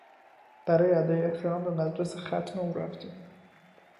برای ادای احترام به مجلس ختم او رفتیم.